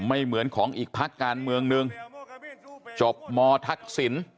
ไม่เหมือนของอีกภาคการเมืองนึงจบมทักศิลป์